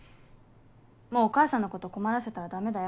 もうお母さんのこと困らせたらダメだよ。